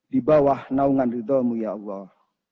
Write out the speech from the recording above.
di bawah naungan ridhomu ya allah